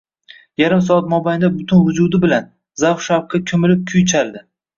Yarim soat mobaynida butun vujudi bilan, zavq-shavqqa koʻmilib kuy chaldi